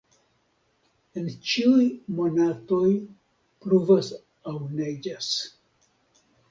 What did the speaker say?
En ĉiuj monatoj pluvas aŭ neĝas.